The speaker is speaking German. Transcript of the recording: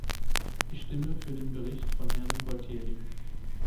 Ich stimme für den Bericht von Herrn Gualtieri.